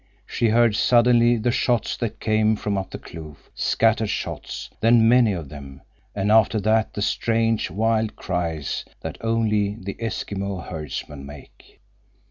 She heard suddenly the shots that came from up the kloof, scattered shots, then many of them, and after that the strange, wild cries that only the Eskimo herdsmen make.